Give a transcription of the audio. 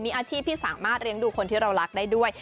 มีอาชีพที่สามารถเลี้ยงดูคนที่เรารักได้ด้วย